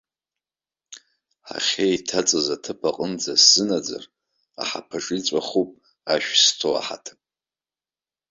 Ҳахьеиҭаҵыз аҭыԥ аҟынӡа сзынаӡар, аҳаԥаҿы иҵәахуп ашә зҭоу аҳаҭа.